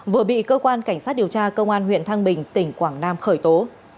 vừa bị cơ quan cảnh sát điều tra công an huyện thăng bình tỉnh quảng nam khởi tố